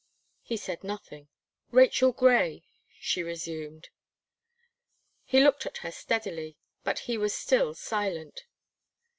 He said nothing. "Rachel Gray," she resumed. He looked at her steadily, but he was still silent.